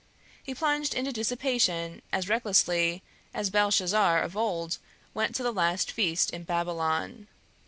He plunged into dissipation as recklessly as Belshazzar of old went to that last feast in Babylon.